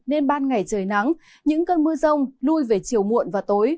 nên ban ngày trời nắng những cơn mưa rông lui về chiều muộn và tối